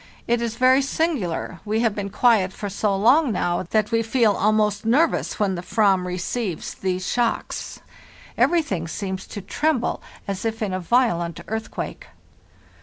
It is very singular, we have been quiet for so long now that we feel almost nervous when the Ayam receives those shocks; every thing seems to tremble as if in a violent earthquake.